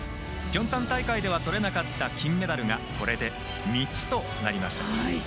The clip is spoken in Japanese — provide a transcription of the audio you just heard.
ピョンチャン大会ではとれなかった金メダルがこれで３つとなりました。